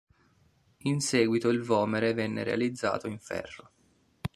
In seguito il vomere venne realizzato in ferro.